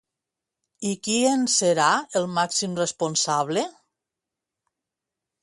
I qui en serà el màxim responsable?